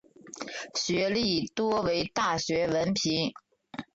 学历多为大学文凭。